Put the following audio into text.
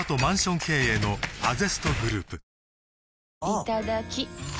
いただきっ！